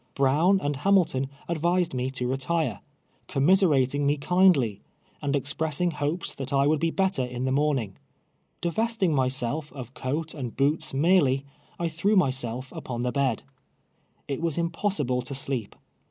Jh own and Hamilton advised me to retire, connnise ratin^' me kindly, and expressini; hopes that I would ho l)etter in the morninf;, Divestinu' myself of coat and boots merely, T threw myself upon the beil. It was impossible to slee}).